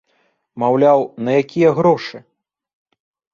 Маўляў, на якія грошы?